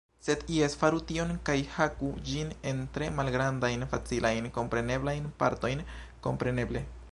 Sed jes faru tion kaj haku ĝin en tre malgrandajn facilajn, kompreneblajn partojn. Kompreneble.